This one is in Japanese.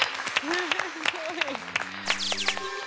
すごい。